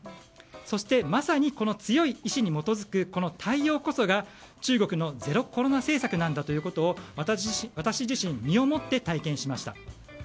そして、まさに強い意志に基づく対応こそが中国のゼロコロナ政策だということを私自身、身をもって体験しました。